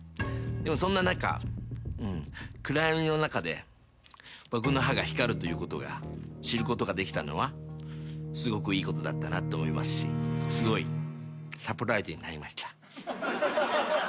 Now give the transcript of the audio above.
でもそんな中暗闇の中で僕の歯が光るということが知ることができたのはすごくいいことだったなって思いますしすごいサプライズになりました。